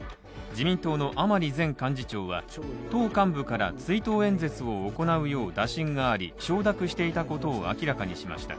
自民党の甘利前幹事長は党幹部から追悼演説を行うよう打診があり、承諾していたことを明らかにしました。